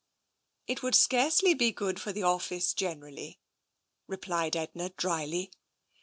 " It would scarcely be good for the office generally/' replied Edna drily.